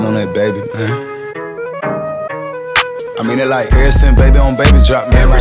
satu plus satu ya biasa ya satu plus satu ya